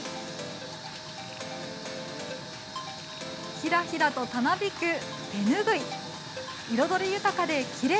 ひらひらとたなびく手拭い。